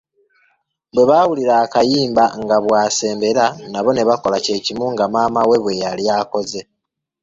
Bwe baawulira akayimba nga bw'asembera, nabo ne bakola kye kimu nga maama we bwe yali akoze .